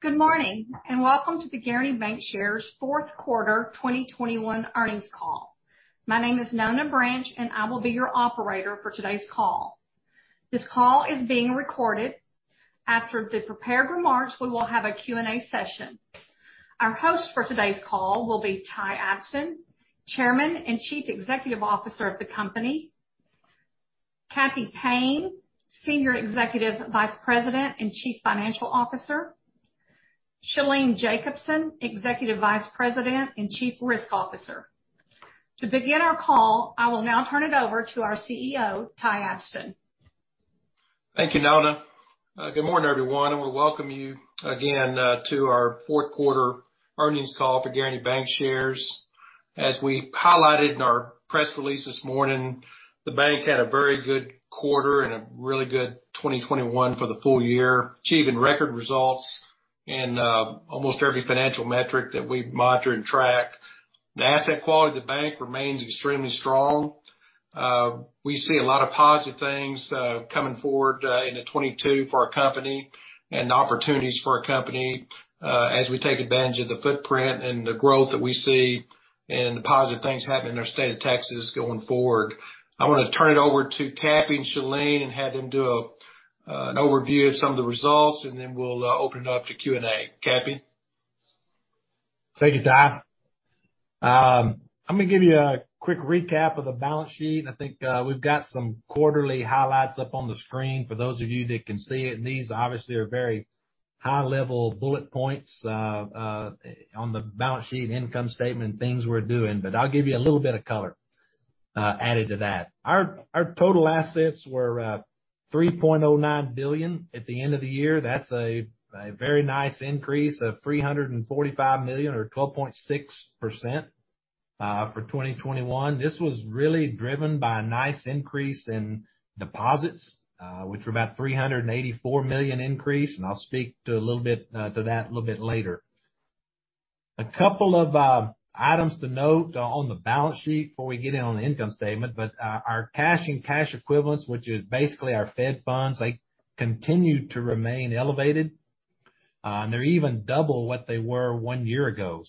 Good morning, and welcome to the Guaranty Bancshares fourth quarter 2021 earnings call. My name is Nona Branch, and I will be your operator for today's call. This call is being recorded. After the prepared remarks, we will have a Q&A session. Our host for today's call will be Ty Abston, Chairman and Chief Executive Officer of the company, Cappy Payne, Senior Executive Vice President and Chief Financial Officer, Shalene Jacobson, Executive Vice President and Chief Risk Officer. To begin our call, I will now turn it over to our CEO, Ty Abston. Thank you, Nona. Good morning, everyone, and we welcome you again to our fourth quarter earnings call for Guaranty Bancshares. As we highlighted in our press release this morning, the bank had a very good quarter and a really good 2021 for the full year, achieving record results in almost every financial metric that we monitor and track. The asset quality of the bank remains extremely strong. We see a lot of positive things coming forward into 2022 for our company and opportunities for our company as we take advantage of the footprint and the growth that we see and the positive things happening in our state of Texas going forward. I wanna turn it over to Cappy and Shalene and have them do an overview of some of the results, and then we'll open it up to Q&A. Cappy? Thank you, Ty. I'm gonna give you a quick recap of the balance sheet. I think we've got some quarterly highlights up on the screen for those of you that can see it, and these obviously are very high-level bullet points on the balance sheet and income statement, things we're doing, but I'll give you a little bit of color added to that. Our total assets were $3.09 billion at the end of the year. That's a very nice increase of $345 million or 12.6% for 2021. This was really driven by a nice increase in deposits, which were about $384 million increase, and I'll speak to a little bit to that a little bit later. A couple of items to note on the balance sheet before we get in on the income statement, but our cash and cash equivalents, which is basically our Fed funds, they continue to remain elevated. They're even double what they were one year ago.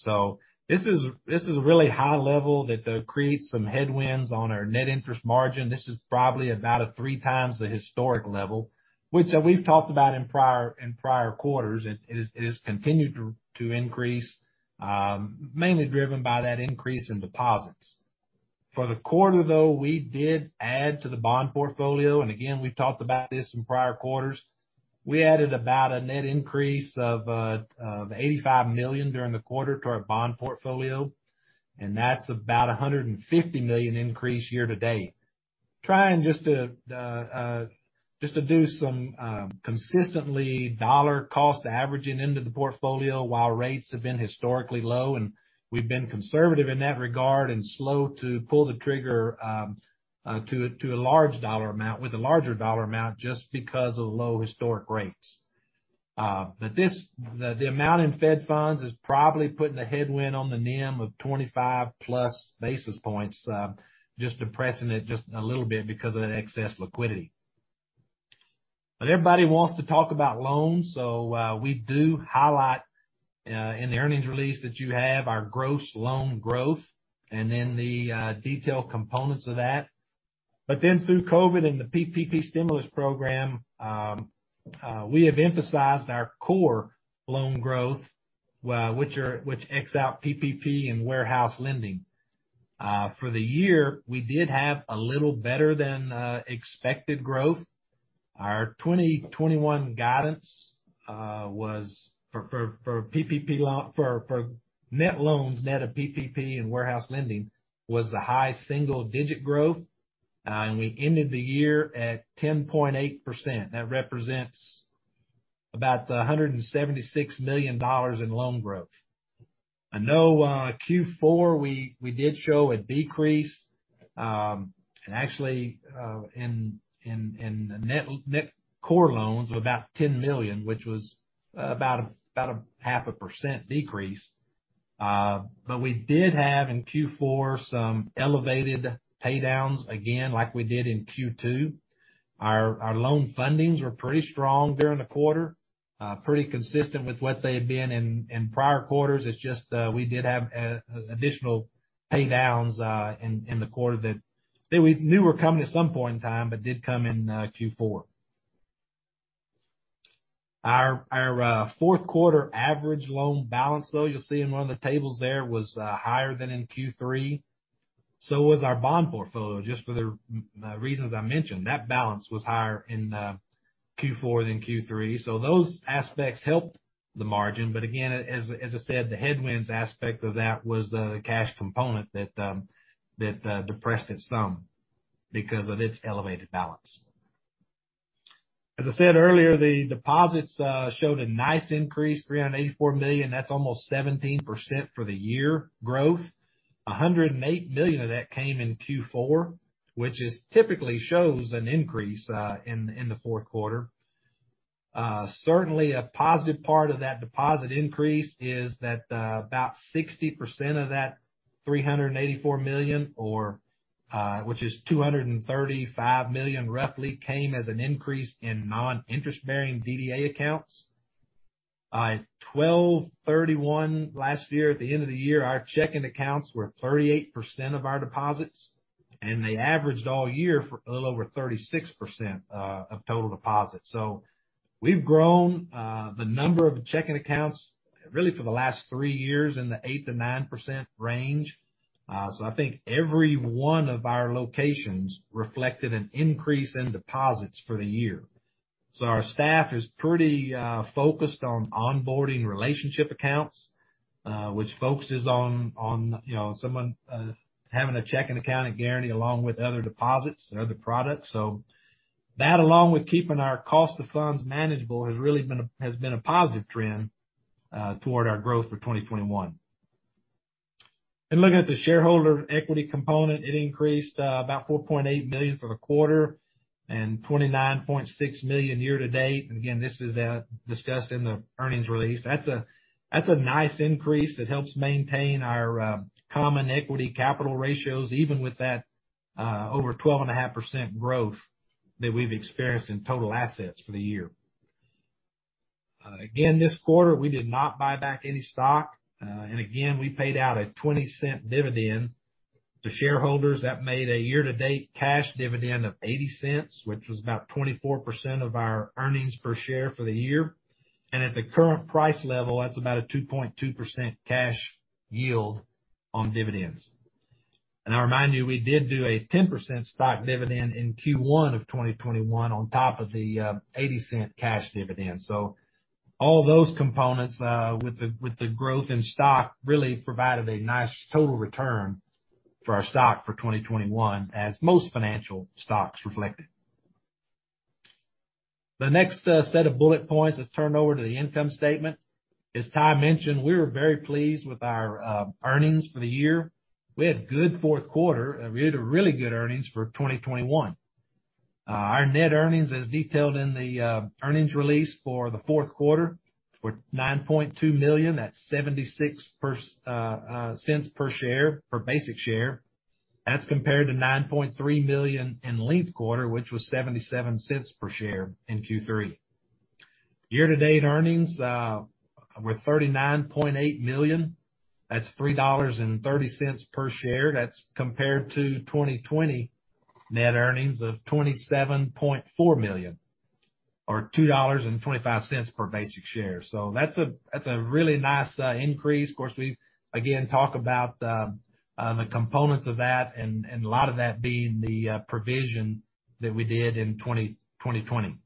This is really high level that they'll create some headwinds on our net interest margin. This is probably about a three times the historic level, which we've talked about in prior quarters. It has continued to increase, mainly driven by that increase in deposits. For the quarter, though, we did add to the bond portfolio, and again, we've talked about this in prior quarters. We added about a net increase of $85 million during the quarter to our bond portfolio, and that's about a $150 million increase year to date. Trying just to do some consistently dollar cost averaging into the portfolio while rates have been historically low, and we've been conservative in that regard and slow to pull the trigger to a large dollar amount with a larger dollar amount just because of low historic rates. The amount in Fed funds is probably putting a headwind on the NIM of 25+ basis points, just depressing it just a little bit because of the excess liquidity. Everybody wants to talk about loans, so we do highlight in the earnings release that you have our gross loan growth and then the detailed components of that. Through COVID and the PPP stimulus program, we have emphasized our core loan growth, which ex out PPP and warehouse lending. For the year, we did have a little better than expected growth. Our 2021 guidance was for net loans, net of PPP and warehouse lending, the high single-digit growth, and we ended the year at 10.8%. That represents about $176 million in loan growth. I know, Q4, we did show a decrease, and actually, in net core loans of about $10 million, which was about a half a percent decrease. We did have in Q4 some elevated paydowns again like we did in Q2. Our loan fundings were pretty strong during the quarter, pretty consistent with what they had been in prior quarters. It's just, we did have additional paydowns in the quarter that we knew were coming at some point in time, but did come in Q4. Our fourth quarter average loan balance, though, you'll see in one of the tables there, was higher than in Q3. Was our bond portfolio, just for the reason I mentioned. That balance was higher in Q4 than Q3. Those aspects helped the margin. Again, as I said, the headwinds aspect of that was the cash component that depressed it some because of its elevated balance. As I said earlier, the deposits showed a nice increase, $384 million. That's almost 17% for the year growth. $108 million of that came in Q4, which typically shows an increase in the fourth quarter. Certainly, a positive part of that deposit increase is that about 60% of that $384 million, which is roughly $235 million, came as an increase in non-interest-bearing DDA accounts. By 12/31 last year, at the end of the year, our checking accounts were 38% of our deposits, and they averaged all year for a little over 36% of total deposits. We've grown the number of checking accounts really for the last 3 years in the 8%-9% range. I think every one of our locations reflected an increase in deposits for the year. Our staff is pretty focused on onboarding relationship accounts, which focuses on you know someone having a checking account at Guaranty along with other deposits and other products. That, along with keeping our cost of funds manageable, has been a positive trend toward our growth for 2021. Looking at the shareholder equity component, it increased about $4.8 million for the quarter and $29.6 million year-to-date. Again, this is discussed in the earnings release. That's a nice increase that helps maintain our common equity capital ratios, even with that over 12.5% growth that we've experienced in total assets for the year. Again, this quarter, we did not buy back any stock. Again, we paid out a $0.20 dividend to shareholders. That made a year-to-date cash dividend of $0.80, which was about 24% of our earnings per share for the year. At the current price level, that's about a 2.2% cash yield on dividends. I remind you, we did do a 10% stock dividend in Q1 of 2021 on top of the $0.80 cash dividend. All those components with the growth in stock really provided a nice total return for our stock for 2021, as most financial stocks reflected. The next set of bullet points is turned over to the income statement. As Ty mentioned, we were very pleased with our earnings for the year. We had a good fourth quarter, and we had a really good earnings for 2021. Our net earnings, as detailed in the earnings release for the fourth quarter, were $9.2 million. That's $0.76 per share, per basic share. That's compared to $9.3 million in linked quarter, which was $0.77 per share in Q3. Year-to-date earnings were $39.8 million. That's $3.30 per share. That's compared to 2020 net earnings of $27.4 million, or $2.25 per basic share. That's a really nice increase. Of course, we again talk about the components of that and a lot of that being the provision that we did in 2020.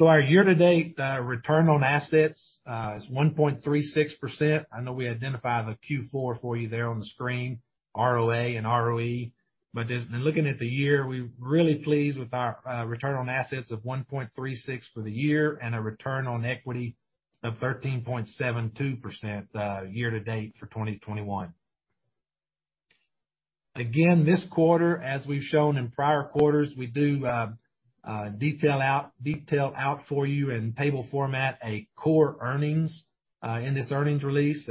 Our year-to-date return on assets is 1.36%. I know we identified the Q4 for you there on the screen, ROA and ROE. Looking at the year, we're really pleased with our return on assets of 1.36% for the year and a return on equity of 13.72% year to date for 2021. Again, this quarter, as we've shown in prior quarters, we do detail out for you in table format a core earnings in this earnings release.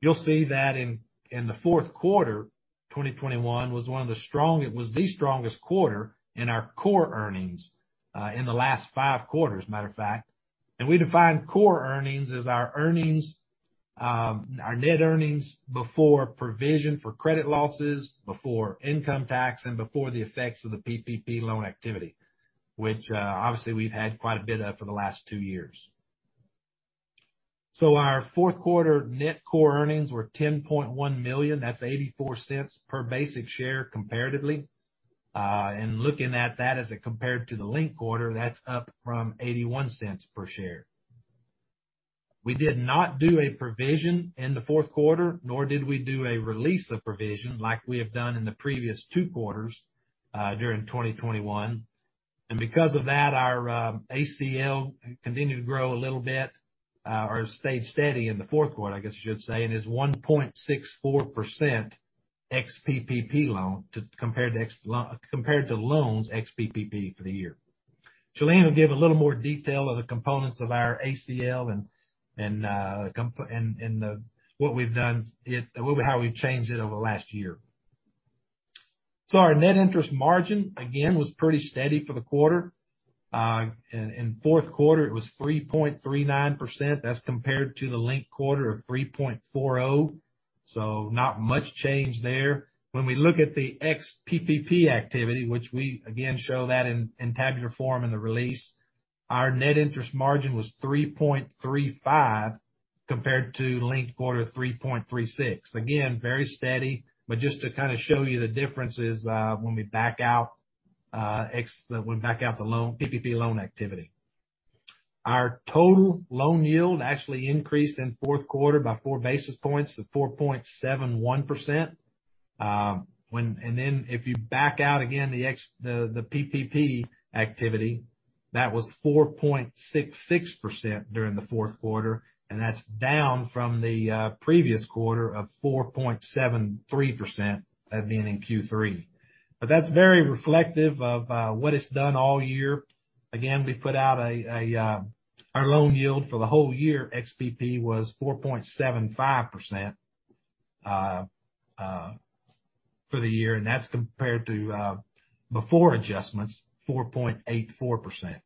You'll see that in the fourth quarter, 2021, it was the strongest quarter in our core earnings in the last 5 quarters, matter of fact. We define core earnings as our net earnings before provision for credit losses, before income tax, and before the effects of the PPP loan activity, which obviously we've had quite a bit of for the last two years. Our fourth quarter net core earnings were $10.1 million. That's $0.84 per basic share comparatively. Looking at that as it compared to the linked quarter, that's up from $0.81 per share. We did not do a provision in the fourth quarter, nor did we do a release of provision like we have done in the previous two quarters during 2021. Because of that, our ACL continued to grow a little bit or stayed steady in the fourth quarter, I guess I should say, and is 1.64% ex-PPP loans compared to loans ex-PPP for the year. Shalene Jacobson will give a little more detail of the components of our ACL and what we've done to it, a little bit how we've changed it over the last year. Our net interest margin, again, was pretty steady for the quarter. In fourth quarter, it was 3.39%. That's compared to the linked quarter of 3.40%. Not much change there. When we look at the ex-PPP activity, which we again show that in tabular form in the release, our net interest margin was 3.35 compared to linked quarter 3.36. Again, very steady, but just to kind of show you the differences, when we back out the PPP loan activity. Our total loan yield actually increased in fourth quarter by 4 basis points to 4.71%. And then if you back out again the PPP activity, that was 4.66% during the fourth quarter, and that's down from the previous quarter of 4.73% being in Q3. That's very reflective of what it's done all year. We put out our loan yield for the whole year, ex-PPP, was 4.75% for the year, and that's compared to before adjustments, 4.84%.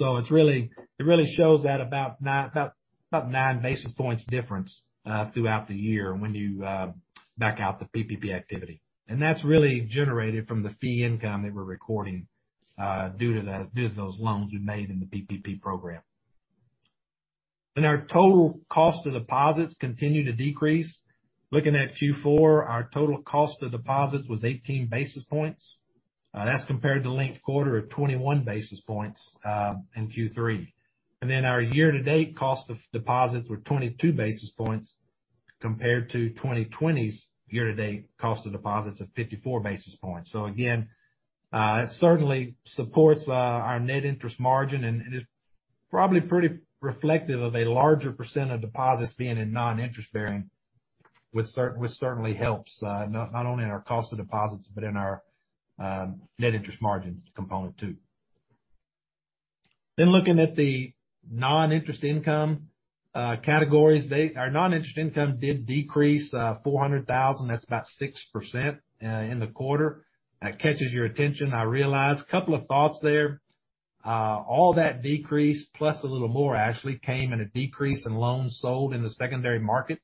It really shows that about nine basis points difference throughout the year when you back out the PPP activity. That's really generated from the fee income that we're recording due to those loans we made in the PPP program. Our total cost of deposits continue to decrease. Looking at Q4, our total cost of deposits was 18 basis points. That's compared to linked quarter of 21 basis points in Q3. Our year-to-date cost of deposits were 22 basis points compared to 2020's year-to-date cost of deposits of 54 basis points. Again, it certainly supports our net interest margin, and it is probably pretty reflective of a larger percent of deposits being in non-interest-bearing, which certainly helps not only in our cost of deposits, but in our net interest margin component too. Looking at the non-interest income categories. Our non-interest income did decrease $400,000, that's about 6% in the quarter. That catches your attention, I realize. A couple of thoughts there. All that decrease, plus a little more actually, came in a decrease in loans sold in the secondary market.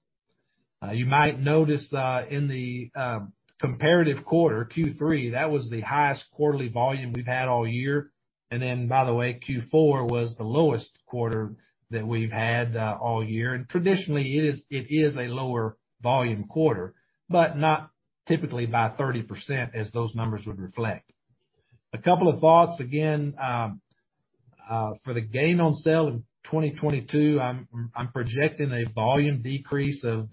You might notice in the comparative quarter, Q3, that was the highest quarterly volume we've had all year. Then by the way, Q4 was the lowest quarter that we've had all year. Traditionally it is a lower volume quarter, but not typically by 30% as those numbers would reflect. A couple of thoughts again for the gain on sale in 2022, I'm projecting a volume decrease of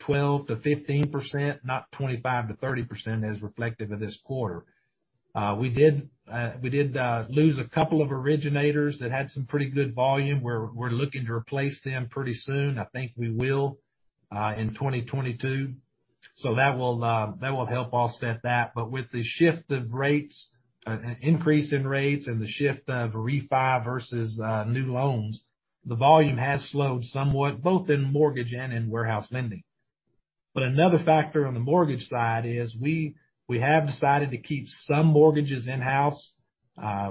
12%-15%, not 25%-30% as reflective of this quarter. We did lose a couple of originators that had some pretty good volume. We're looking to replace them pretty soon. I think we will in 2022. So that will help offset that. But with the shift of rates, increase in rates and the shift of refi versus new loans, the volume has slowed somewhat, both in mortgage and in warehouse lending. Another factor on the mortgage side is we have decided to keep some mortgages in-house.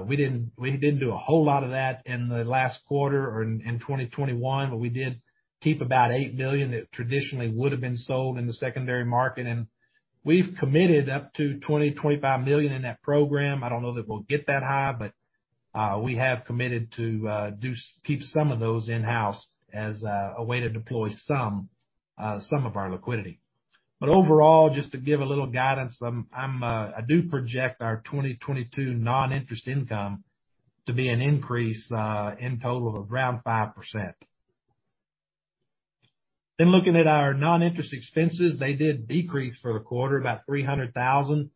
We didn't do a whole lot of that in the last quarter or in 2021, but we did keep about $8 million that traditionally would have been sold in the secondary market. We've committed up to $25 million in that program. I don't know that we'll get that high, but we have committed to keep some of those in-house as a way to deploy some of our liquidity. Overall, just to give a little guidance, I do project our 2022 non-interest income to be an increase in total of around 5%. Looking at our non-interest expenses, they did decrease for the quarter, about $300,000.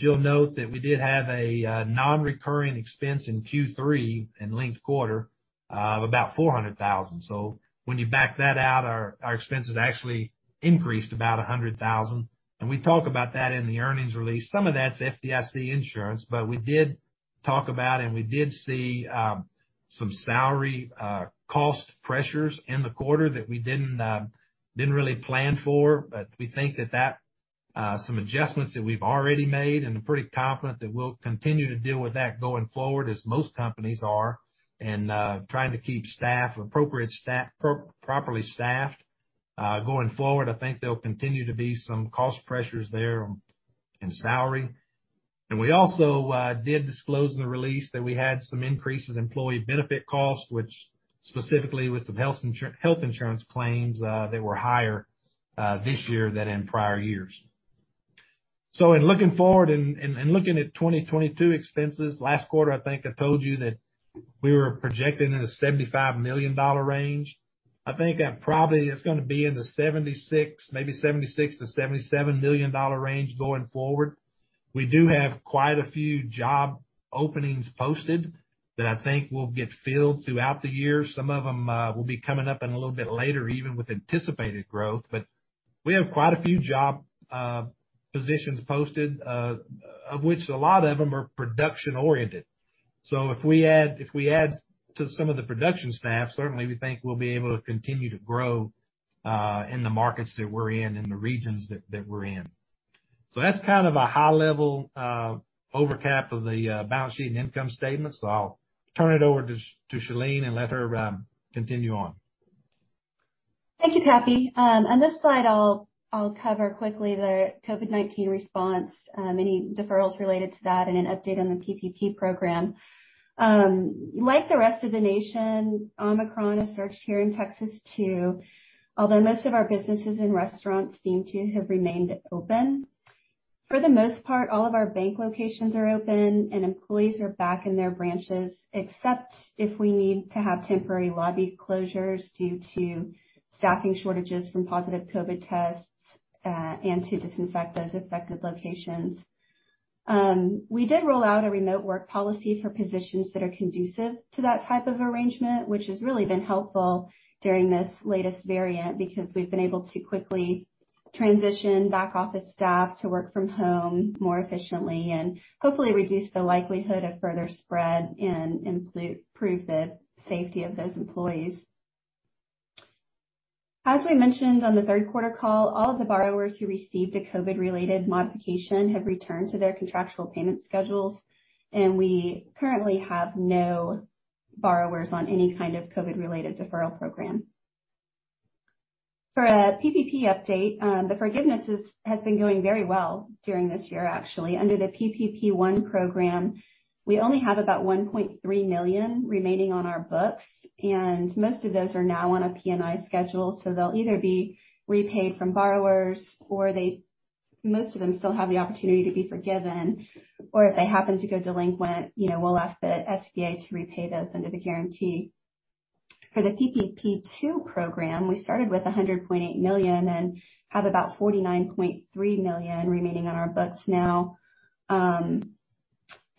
You'll note that we did have a non-recurring expense in Q3 and linked quarter of about $400,000. When you back that out, our expenses actually increased about $100,000. We talk about that in the earnings release. Some of that's FDIC insurance, but we did talk about and we did see some salary cost pressures in the quarter that we didn't really plan for. We think that some adjustments that we've already made, and I'm pretty confident that we'll continue to deal with that going forward, as most companies are, and trying to keep staff, appropriate staff, properly staffed going forward. I think there'll continue to be some cost pressures there in salary. We also did disclose in the release that we had some increases in employee benefit costs, which specifically with some health insurance claims that were higher this year than in prior years. In looking forward and looking at 2022 expenses, last quarter, I think I told you that we were projecting in the $75 million range. I think that probably is gonna be in the $76, maybe $76-$77 million range going forward. We do have quite a few job openings posted that I think will get filled throughout the year. Some of them will be coming up in a little bit later, even with anticipated growth. We have quite a few job positions posted, of which a lot of them are production-oriented. If we add to some of the production staff, certainly we think we'll be able to continue to grow in the markets that we're in and the regions that we're in. That's kind of a high level overview of the balance sheet and income statement. I'll turn it over to Shalene and let her continue on. Thank you, Cappy. On this slide I'll cover quickly the COVID-19 response, any deferrals related to that and an update on the PPP program. Like the rest of the nation, Omicron has surged here in Texas too, although most of our businesses and restaurants seem to have remained open. For the most part, all of our bank locations are open and employees are back in their branches, except if we need to have temporary lobby closures due to staffing shortages from positive COVID tests, and to disinfect those affected locations. We did roll out a remote work policy for positions that are conducive to that type of arrangement, which has really been helpful during this latest variant because we've been able to quickly transition back office staff to work from home more efficiently and hopefully reduce the likelihood of further spread and improve the safety of those employees. As I mentioned on the third quarter call, all of the borrowers who received a COVID-related modification have returned to their contractual payment schedules, and we currently have no borrowers on any kind of COVID-related deferral program. For a PPP update, the forgiveness has been going very well during this year. Actually, under the PPP One program, we only have about $1.3 million remaining on our books, and most of those are now on a P&I schedule. They'll either be repaid from borrowers or most of them still have the opportunity to be forgiven or if they happen to go delinquent, you know, we'll ask the SBA to repay those under the guarantee. For the PPP Two program, we started with $100.8 million and have about $49.3 million remaining on our books now.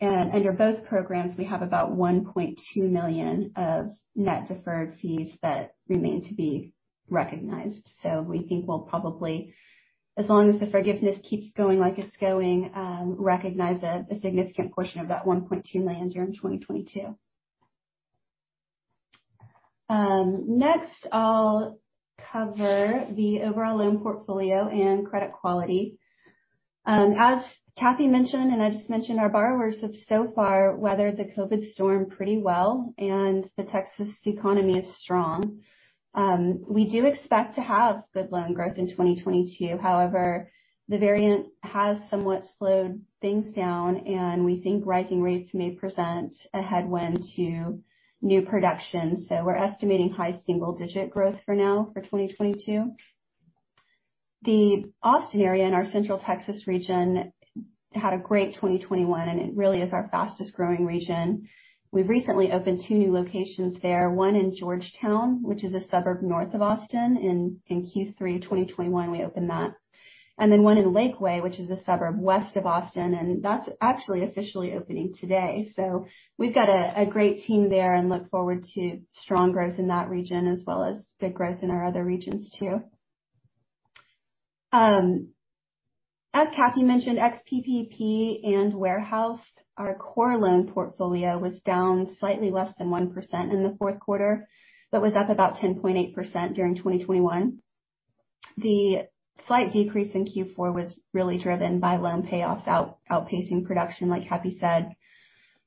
And under both programs, we have about $1.2 million of net deferred fees that remain to be recognized. We think we'll probably, as long as the forgiveness keeps going like it's going, recognize a significant portion of that $1.2 million during 2022. Next, I'll cover the overall loan portfolio and credit quality. As Cappy mentioned, and I just mentioned, our borrowers have so far weathered the COVID storm pretty well, and the Texas economy is strong. We do expect to have good loan growth in 2022. However, the variant has somewhat slowed things down and we think rising rates may present a headwind to new production. We're estimating high single digit growth for now for 2022. The Austin area in our central Texas region had a great 2021 and it really is our fastest growing region. We've recently opened two new locations there, one in Georgetown, which is a suburb north of Austin. In Q3 2021, we opened that, and then one in Lakeway, which is a suburb west of Austin, and that's actually officially opening today. We've got a great team there and look forward to strong growth in that region as well as good growth in our other regions too. As Cappy mentioned, ex-PPP and warehouse, our core loan portfolio was down slightly less than 1% in the fourth quarter, but was up about 10.8% during 2021. The slight decrease in Q4 was really driven by loan payoffs outpacing production, like Cappy said.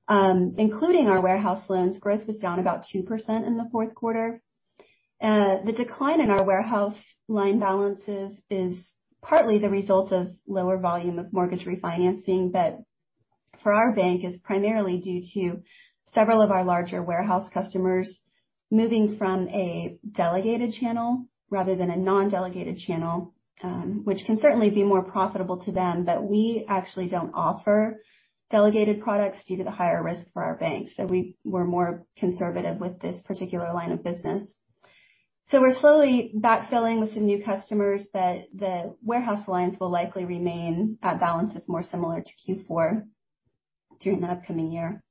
Including our warehouse loans, growth was down about 2% in the fourth quarter. The decline in our warehouse line balances is partly the result of lower volume of mortgage refinancing. For our bank, it's primarily due to several of our larger warehouse customers moving from a delegated channel rather than a non-delegated channel, which can certainly be more profitable to them. We actually don't offer delegated products due to the higher risk for our bank, so we're more conservative with this particular line of business. We're slowly backfilling with some new customers that the warehouse lines will likely remain at balances more similar to Q4 during the upcoming year.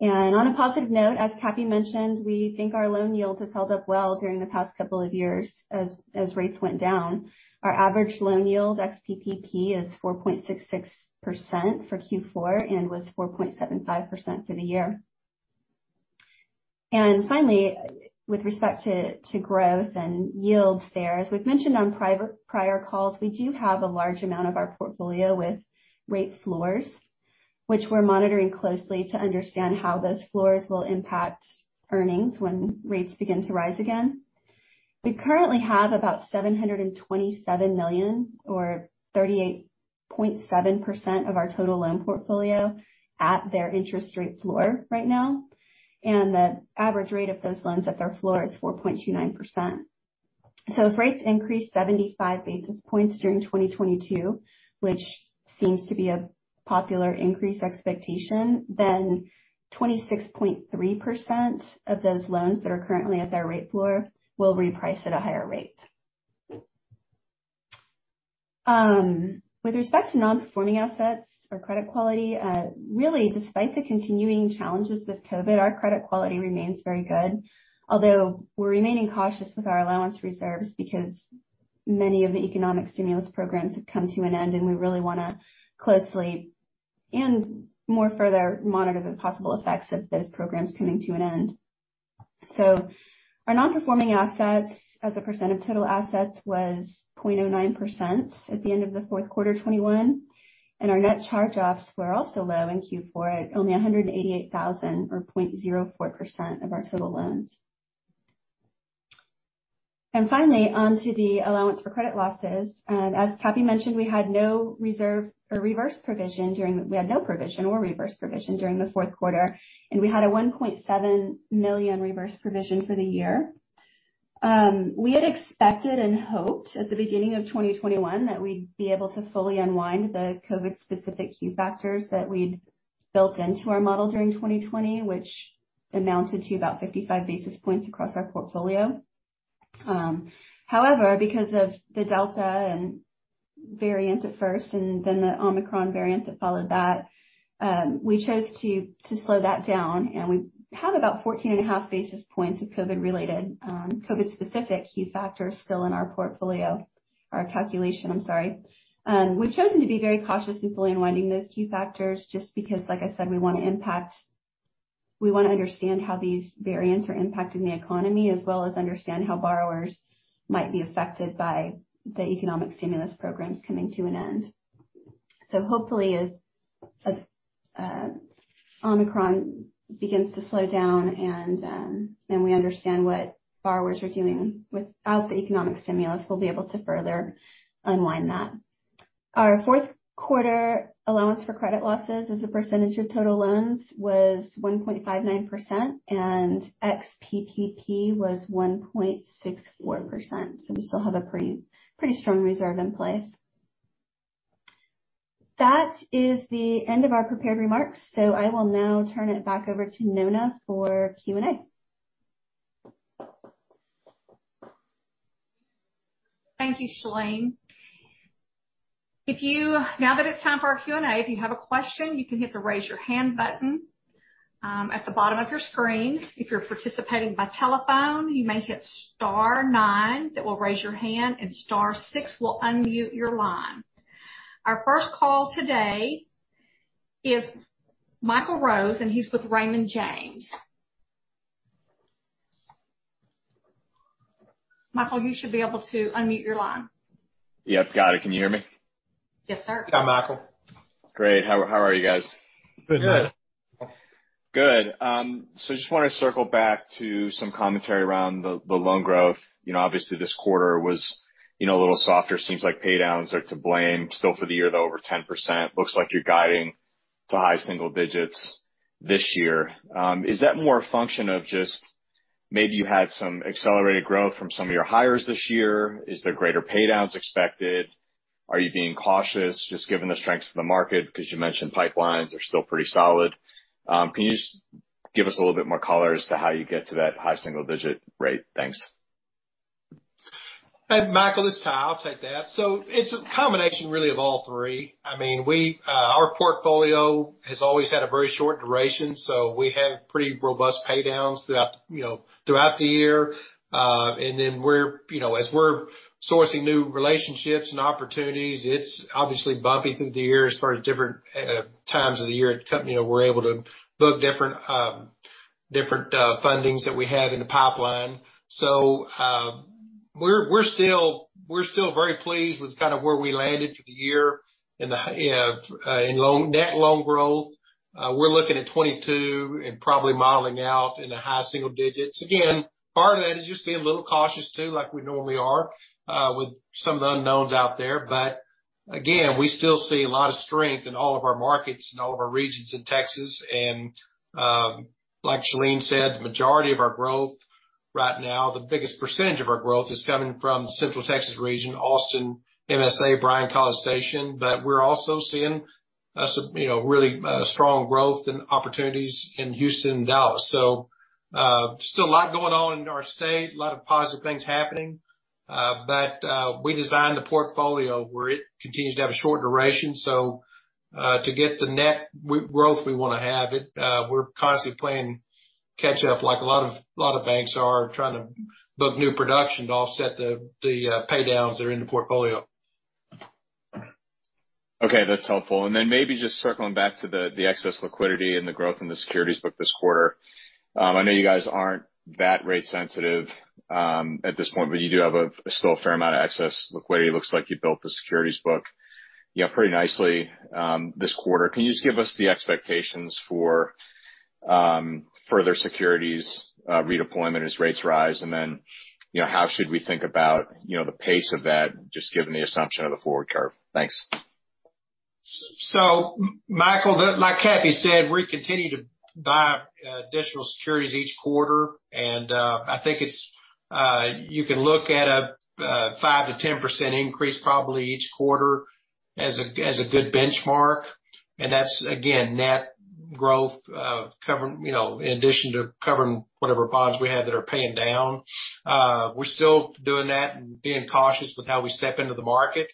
On a positive note, as Cappy mentioned, we think our loan yield has held up well during the past couple of years as rates went down. Our average loan yield ex-PPP is 4.66% for Q4 and was 4.75% for the year. Finally, with respect to growth and yields there, as we've mentioned on prior calls, we do have a large amount of our portfolio with rate floors, which we're monitoring closely to understand how those floors will impact earnings when rates begin to rise again. We currently have about $727 million or 38.7% of our total loan portfolio at their interest rate floor right now, and the average rate of those loans at their floor is 4.29%. If rates increase 75 basis points during 2022, which seems to be a popular increase expectation, then 26.3% of those loans that are currently at their rate floor will reprice at a higher rate. With respect to non-performing assets or credit quality, really despite the continuing challenges with COVID, our credit quality remains very good. Although we're remaining cautious with our allowance reserves because many of the economic stimulus programs have come to an end and we really wanna closely and more further monitor the possible effects of those programs coming to an end. Our non-performing assets as a percent of total assets was 0.09% at the end of the fourth quarter 2021, and our net charge-offs were also low in Q4 at only $188,000 or 0.04% of our total loans. Finally, onto the allowance for credit losses. As Cappy mentioned, we had no provision or reverse provision during the fourth quarter, and we had a $1.7 million reverse provision for the year. We had expected and hoped at the beginning of 2021 that we'd be able to fully unwind the COVID-specific qualitative factors that we'd built into our model during 2020, which amounted to about 55 basis points across our portfolio. However, because of the Delta variant at first and then the Omicron variant that followed that, we chose to slow that down. We had about 14.5 basis points of COVID related, COVID specific key factors still in our portfolio or calculation. I'm sorry. We've chosen to be very cautious in fully unwinding those key factors just because, like I said, we wanna understand how these variants are impacting the economy, as well as understand how borrowers might be affected by the economic stimulus programs coming to an end. Hopefully as Omicron begins to slow down and we understand what borrowers are doing without the economic stimulus, we'll be able to further unwind that. Our fourth quarter allowance for credit losses as a percentage of total loans was 1.59%, and ex-PPP was 1.64%. We still have a pretty strong reserve in place. That is the end of our prepared remarks, so I will now turn it back over to Nona for Q&A. Thank you, Shalene. Now that it's time for our Q&A, if you have a question, you can hit the Raise Your Hand button at the bottom of your screen. If you're participating by telephone, you may hit star nine that will raise your hand and star six will unmute your line. Our first call today is Michael Rose, and he's with Raymond James. Michael, you should be able to unmute your line. Yep. Got it. Can you hear me? Yes, sir. Yeah. Michael. Great. How are you guys? Good. Good. So just want to circle back to some commentary around the loan growth. You know, obviously this quarter was, you know, a little softer. Seems like paydowns are to blame. Still for the year, though, over 10%. Looks like you're guiding to high single digits this year. Is that more a function of just maybe you had some accelerated growth from some of your hires this year? Is there greater paydowns expected? Are you being cautious just given the strengths of the market? Because you mentioned pipelines are still pretty solid. Can you just give us a little bit more color as to how you get to that high single digit rate? Thanks. Michael, this is Ty. I'll take that. It's a combination really of all three. I mean, we, our portfolio has always had a very short duration, so we have pretty robust paydowns throughout, you know, throughout the year. And then we're, you know, as we're sourcing new relationships and opportunities, it's obviously bumpy through the year as far as different times of the year. You know, we're able to book different fundings that we have in the pipeline. We're still very pleased with kind of where we landed for the year in net loan growth. We're looking at 2022 and probably modeling out in the high single digits. Again, part of that is just being a little cautious too, like we normally are with some of the unknowns out there. Again, we still see a lot of strength in all of our markets and all of our regions in Texas. Like Shalene said, the majority of our growth right now, the biggest percentage of our growth is coming from Central Texas region, Austin MSA, Bryan-College Station. We're also seeing some, you know, really strong growth and opportunities in Houston and Dallas. Still a lot going on in our state, a lot of positive things happening. We designed the portfolio where it continues to have a short duration. To get the net growth we wanna have it, we're constantly playing catch up like a lot of banks are trying to book new production to offset the paydowns that are in the portfolio. Okay. That's helpful. Then maybe just circling back to the excess liquidity and the growth in the securities book this quarter. I know you guys aren't that rate sensitive at this point, but you do have still a fair amount of excess liquidity. Looks like you built the securities book, you know, pretty nicely this quarter. Can you just give us the expectations for further securities redeployment as rates rise? Then you know, how should we think about the pace of that, just given the assumption of the forward curve? Thanks. Michael, like Cappy said, we continue to buy additional securities each quarter. I think you can look at a 5%-10% increase probably each quarter as a good benchmark. That's again net growth, covering, you know, in addition to covering whatever bonds we have that are paying down. We're still doing that and being cautious with how we step into the market,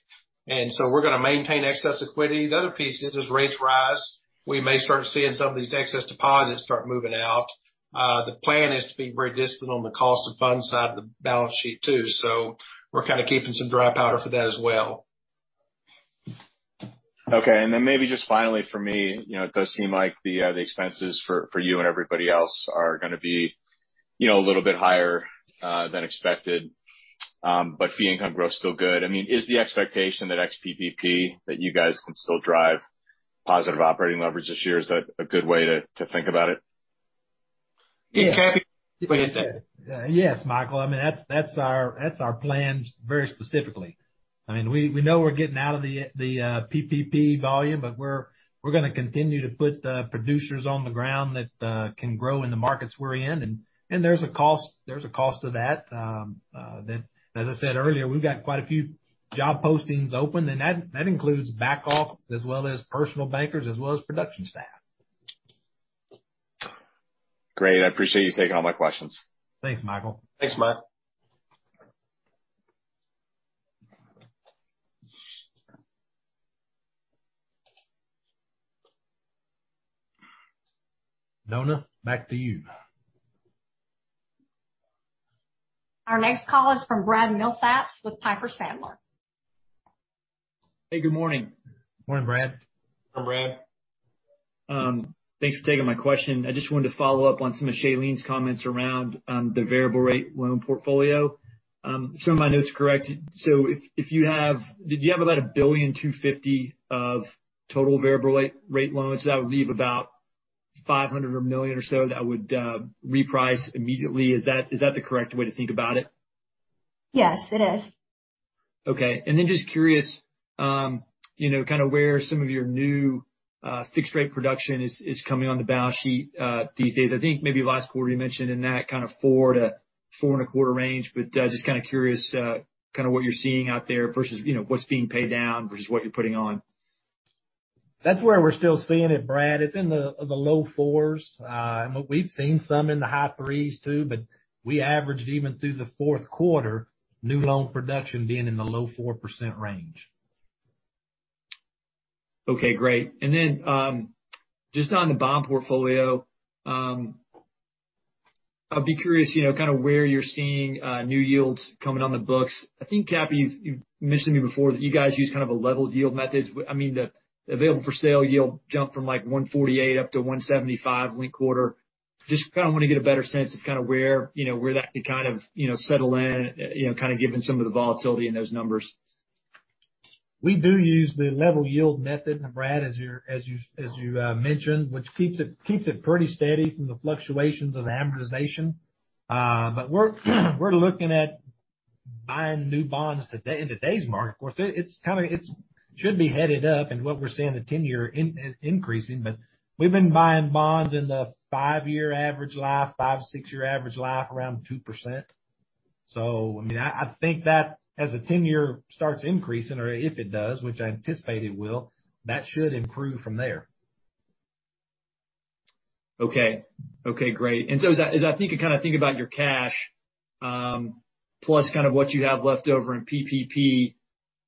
so we're gonna maintain excess liquidity. The other piece is as rates rise, we may start seeing some of these excess deposits start moving out. The plan is to be very diligent on the cost of funds side of the balance sheet too. We're kind of keeping some dry powder for that as well. Okay. Then maybe just finally for me, you know, it does seem like the expenses for you and everybody else are gonna be, you know, a little bit higher than expected. Fee income growth is still good. I mean, is the expectation that ex-PPP you guys can still drive positive operating leverage this year? Is that a good way to think about it? Yeah. Cappy, can you weigh in on that? Yes, Michael. I mean, that's our plan very specifically. I mean, we know we're getting out of the PPP volume, but we're gonna continue to put producers on the ground that can grow in the markets we're in. There's a cost to that. That, as I said earlier, we've got quite a few job postings open, and that includes back office as well as personal bankers, as well as production staff. Great. I appreciate you taking all my questions. Thanks, Michael. Thanks, Mike. Nona, back to you. Our next call is from Brad Milsaps with Piper Sandler. Hey, good morning. Morning, Brad. Hi, Brad. Thanks for taking my question. I just wanted to follow up on some of Shalene's comments around the variable rate loan portfolio. If some of my notes are correct, if you have... Did you have about $1.25 billion of total variable rate loans? That would leave about $500 million or $1 billion or so that would reprice immediately. Is that the correct way to think about it? Yes, it is. Okay. Just curious, you know, kind of where some of your new fixed rate production is coming on the balance sheet these days. I think maybe last quarter you mentioned in that kind of 4%-4.25% range. Just kind of curious, kind of what you're seeing out there versus, you know, what's being paid down versus what you're putting on. That's where we're still seeing it, Brad. It's in the low 4s. But we've seen some in the high 3s too, but we averaged even through the fourth quarter, new loan production being in the low 4% range. Okay, great. Just on the bond portfolio, I'd be curious, you know, kind of where you're seeing new yields coming on the books. I think, Cappy, you've mentioned to me before that you guys use kind of a level yield methods. I mean, the available for sale yield jumped from like 1.48% up to 1.75% linked quarter. Just kind of wanna get a better sense of kinda where, you know, where that could kind of, you know, settle in, you know, kind of given some of the volatility in those numbers. We do use the level yield method, Brad, as you mentioned, which keeps it pretty steady from the fluctuations of amortization. We're looking at buying new bonds in today's market. It should be headed up and what we're seeing, the 10-year increasing, but we've been buying bonds in the 5-year average life, 5- to 6-year average life around 2%. I mean, I think that as a 10-year starts increasing or if it does, which I anticipate it will, that should improve from there. Okay, great. As I think and kind of think about your cash plus kind of what you have left over in PPP,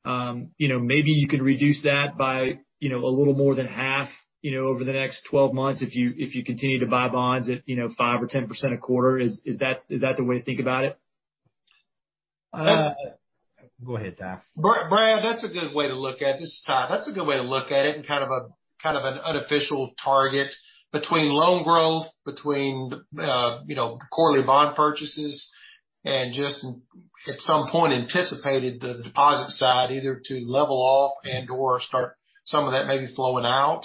you know, maybe you can reduce that by, you know, a little more than half, you know, over the next 12 months if you continue to buy bonds at, you know, 5% or 10% a quarter. Is that the way to think about it? Uh. Go ahead, Ty. Brad, that's a good way to look at it. This is Ty. That's a good way to look at it and kind of an unofficial target between loan growth, quarterly bond purchases and just at some point anticipated the deposit side either to level off and/or start some of that may be flowing out.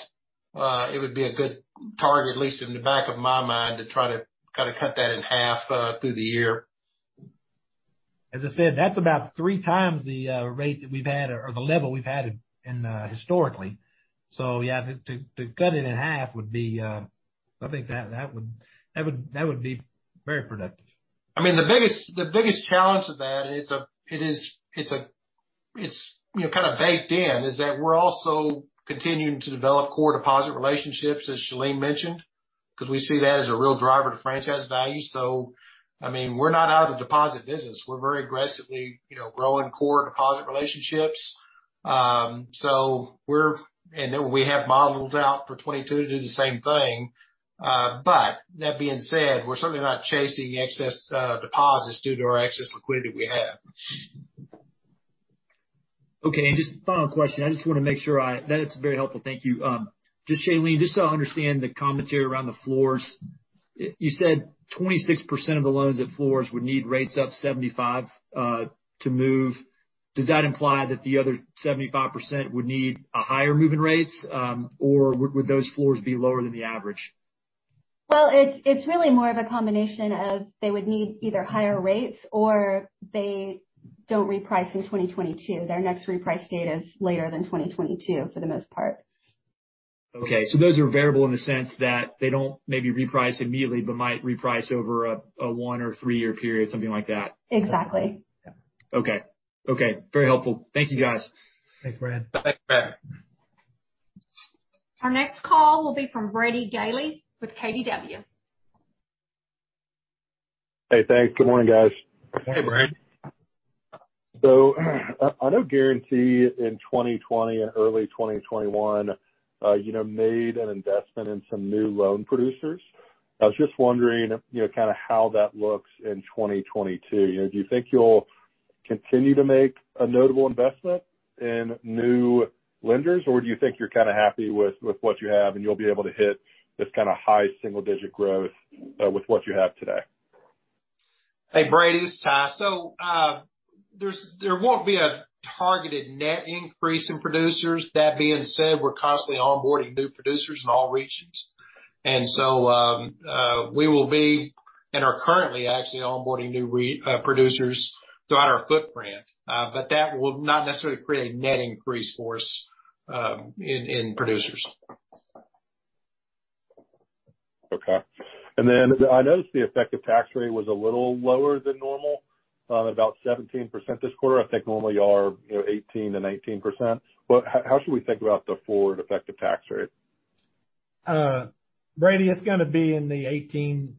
It would be a good target, at least in the back of my mind, to try to kind of cut that in half through the year. As I said, that's about three times the rate that we've had or the level we've had historically. Yeah, to cut it in half would be, I think that would be very productive. I mean, the biggest challenge of that is, it's you know, kind of baked in, is that we're also continuing to develop core deposit relationships, as Shalene mentioned, because we see that as a real driver to franchise value. I mean, we're not out of the deposit business. We're very aggressively you know, growing core deposit relationships. So we're and then we have modeled out for 2022 to do the same thing. That being said, we're certainly not chasing excess deposits due to our excess liquidity we have. Okay. Just final question, I just wanna make sure that it's very helpful. Thank you. Just Shalene, just so I understand the commentary around the floors. You said 26% of the loans at floors would need rates up 75 to move. Does that imply that the other 75% would need higher moving rates, or would those floors be lower than the average? Well, it's really more of a combination of they would need either higher rates or they don't reprice in 2022. Their next reprice date is later than 2022 for the most part. Okay. Those are variable in the sense that they don't maybe reprice immediately, but might reprice over a 1 or 3-year period, something like that. Exactly. Yeah. Okay. Okay, very helpful. Thank you, guys. Thanks, Brad. Bye, Brad. Our next call will be from Brady Gailey with KBW. Hey, thanks. Good morning, guys. Good morning, Brad. I know Guaranty in 2020 and early 2021, you know, made an investment in some new loan producers. I was just wondering, you know, kind of how that looks in 2022. You know, do you think you'll continue to make a notable investment in new lenders? Or do you think you're kind of happy with what you have, and you'll be able to hit this kind of high single digit growth with what you have today? Hey, Brady Gailey, this is Ty Abston. There won't be a targeted net increase in producers. That being said, we're constantly onboarding new producers in all regions. We will be and are currently actually onboarding new producers throughout our footprint, but that will not necessarily create a net increase for us in producers. Okay. I noticed the effective tax rate was a little lower than normal. About 17% this quarter. I think normally you all are, you know, 18%-19%. How should we think about the forward effective tax rate? Brady, it's gonna be in the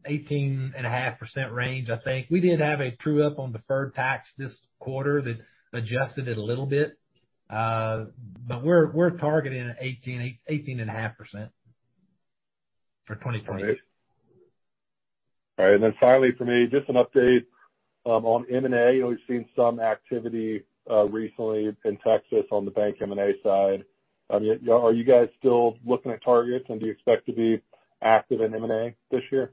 18-18.5% range, I think. We did have a true up on deferred tax this quarter that adjusted it a little bit. We're targeting 18-18.5% for 2020. All right. Then finally for me, just an update on M&A. We've seen some activity recently in Texas on the bank M&A side. I mean, are you guys still looking at targets, and do you expect to be active in M&A this year?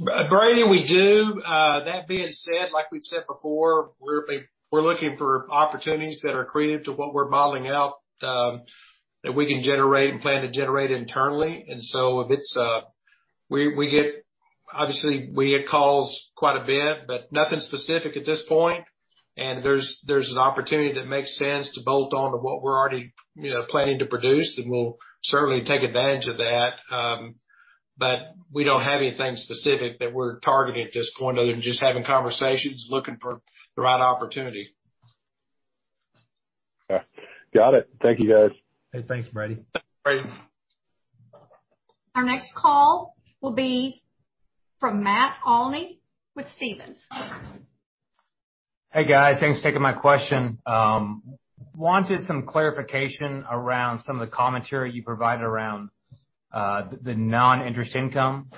Brady, we do. That being said, like we've said before, we're looking for opportunities that are accretive to what we're modeling out, that we can generate and plan to generate internally. Obviously we get calls quite a bit, but nothing specific at this point. If there's an opportunity that makes sense to build on to what we're already, you know, planning to produce, then we'll certainly take advantage of that. We don't have anything specific that we're targeting at this point other than just having conversations, looking for the right opportunity. Okay. Got it. Thank you, guys. Hey, thanks, Brady. Thanks, Brady. Our next call will be from Matt Olney with Stephens. Hey, guys. Thanks for taking my question. Wanted some clarification around some of the commentary you provided around the non-interest income.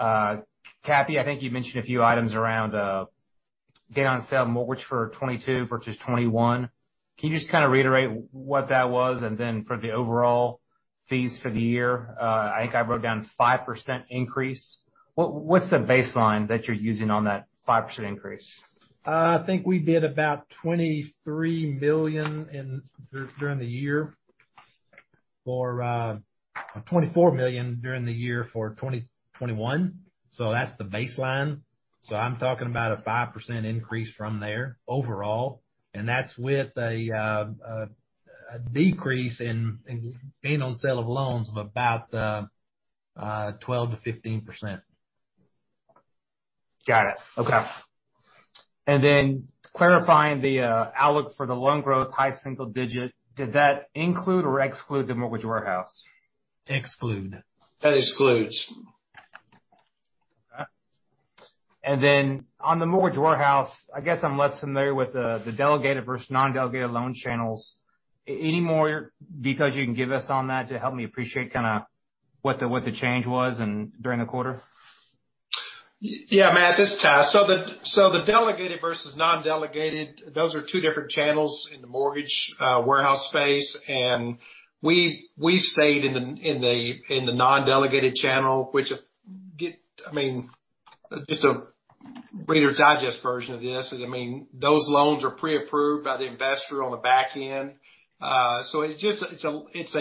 Cappy, I think you mentioned a few items around gain on sale of mortgage for 2022 versus 2021. Can you just kind of reiterate what that was? For the overall fees for the year, I think I wrote down 5% increase. What's the baseline that you're using on that 5% increase? I think we did about $23 million or $24 million during the year for 2021. That's the baseline. I'm talking about a 5% increase from there overall, and that's with a decrease in gain on sale of loans of about 12%-15%. Got it. Okay. Clarifying the outlook for the loan growth, high single digit, did that include or exclude the mortgage warehouse? Exclude. That excludes. Okay. On the mortgage warehouse, I guess I'm less familiar with the delegated versus non-delegated loan channels. Any more detail you can give us on that to help me appreciate kinda what the change was and during the quarter? Yeah, Matt, this is Ty. The delegated versus non-delegated, those are two different channels in the mortgage warehouse space. We stayed in the non-delegated channel, which I mean just a Reader's Digest version of this is, I mean those loans are pre-approved by the investor on the back end. It's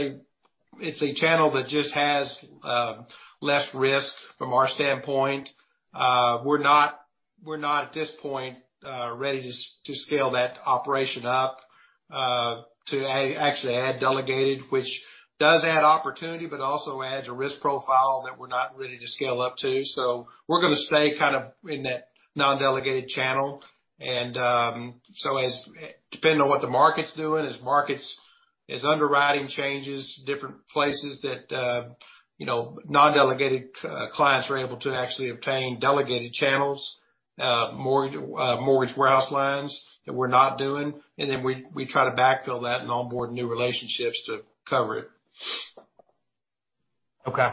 just a channel that just has less risk from our standpoint. We're not at this point ready to actually add delegated, which does add opportunity, but also adds a risk profile that we're not ready to scale up to. We're gonna stay kind of in that non-delegated channel. depending on what the market's doing, as underwriting changes, different places that you know, non-delegated clients are able to actually obtain delegated channels, mortgage warehouse lines that we're not doing, and then we try to backfill that and onboard new relationships to cover it. Okay.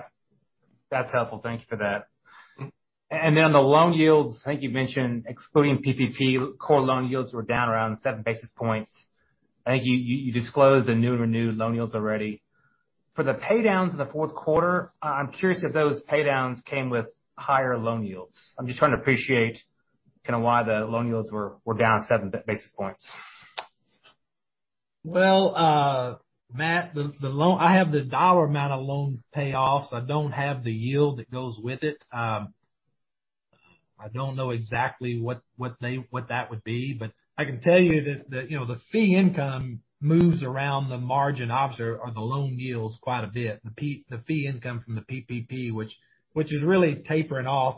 That's helpful. Thank you for that. On the loan yields, I think you mentioned excluding PPP, core loan yields were down around seven basis points. I think you disclosed the new and renewed loan yields already. For the paydowns in the fourth quarter, I'm curious if those paydowns came with higher loan yields. I'm just trying to appreciate kind of why the loan yields were down seven basis points. Well, Matt, the loan. I have the dollar amount of loans payoffs. I don't have the yield that goes with it. I don't know exactly what that would be, but I can tell you that, you know, the fee income moves around the margin, obviously, or the loan yields quite a bit. The fee income from the PPP, which is really tapering off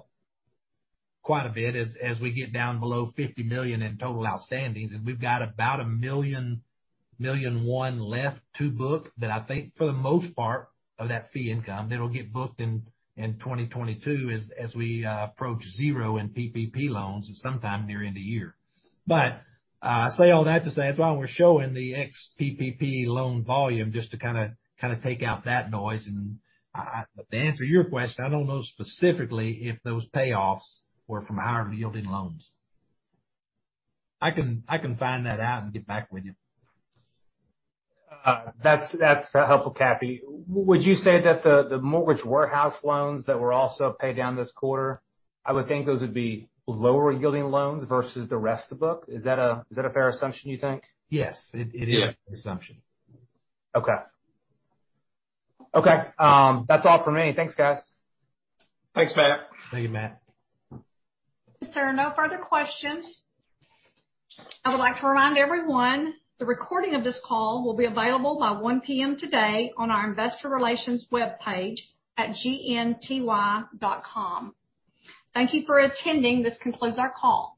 quite a bit as we get down below $50 million in total outstandings, and we've got about $1.1 million left to book that I think for the most part of that fee income, that'll get booked in 2022 as we approach zero in PPP loans sometime near end of year. I say all that to say, that's why we're showing the ex-PPP loan volume, just to kinda take out that noise. To answer your question, I don't know specifically if those payoffs were from higher yielding loans. I can find that out and get back with you. That's helpful, Cappy. Would you say that the mortgage warehouse loans that were also paid down this quarter, I would think those would be lower yielding loans versus the rest of the book. Is that a fair assumption, you think? Yes. It is. Yeah. a fair assumption. Okay, that's all for me. Thanks, guys. Thanks, Matt. Thank you, Matt. If there are no further questions, I would like to remind everyone the recording of this call will be available by 1 P.M. today on our investor relations webpage at gnty.com. Thank you for attending. This concludes our call.